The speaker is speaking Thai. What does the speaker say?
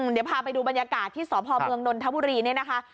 เดี๋ยวพาไปดูบรรยากาศที่สพเมืองนนทบุรีเนี่ยนะคะ